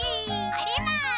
おります！